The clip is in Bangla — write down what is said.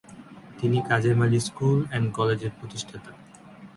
তিনি কাজেম আলী স্কুল এন্ড কলেজের প্রতিষ্ঠাতা।